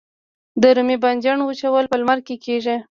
د رومي بانجان وچول په لمر کې کیږي؟